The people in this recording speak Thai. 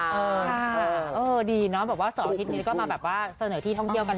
เออดีเนอะมาเสนอที่ท่องเที่ยวกัน